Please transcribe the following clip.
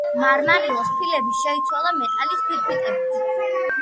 მარმარილოს ფილები შეიცვალა მეტალის ფირფიტებით.